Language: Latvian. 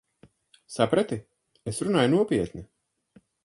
Saprati? Es runāju nopietni.